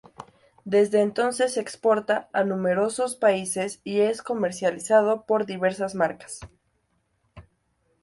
Desde entonces se exporta a numerosos países y es comercializado por diversas marcas.